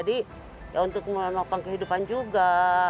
itu kemuliaan wapang kehidupan juga